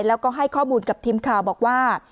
แล้วก็ให้ข้อมูลกับทีมข่าวบอกว่า